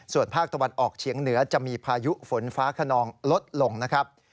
ส่วนภาคตะวันออกเฉียงเหนือจะมีพายุฝนฟ้าขนองลดลงนะครับ